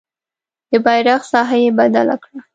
د بیرغ ساحه یې بدله کړه.